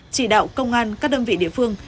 chỉ đạo công an các đơn vị địa phương